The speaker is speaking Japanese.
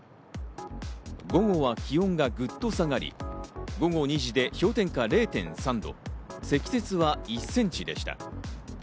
午後は気温がぐっと下がり、午後２時で氷点下０．３度、積雪は１センチでした。